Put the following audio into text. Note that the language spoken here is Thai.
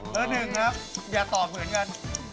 เบอร์๑นะครับอย่าตอบเหมือนกัน